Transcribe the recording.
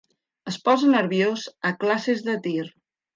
Es posa nerviós a classes de tir.